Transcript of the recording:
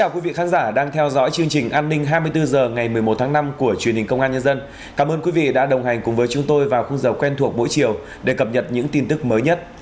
cảm ơn quý vị đã đồng hành cùng chúng tôi vào khung giờ quen thuộc mỗi chiều để cập nhật những tin tức mới nhất